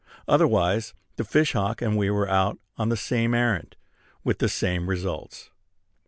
Otherwise the fish hawk and we were out on the same errand, with the same results.